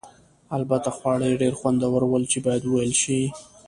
البته خواړه یې ډېر خوندور ول چې باید وویل شي.